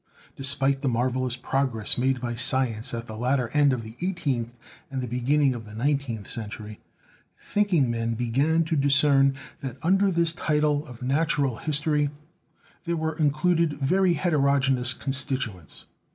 Despite the marvelous progress made by science at the latter end of the eighteenth and the beginning of the nineteenth century, thinking men began to discern that under this title of "Natural History" there were in cluded very heterogeneous constituents.